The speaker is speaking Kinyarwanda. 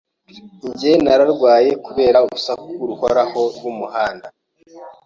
Njye nararwaye kubera urusaku ruhoraho rwumuhanda.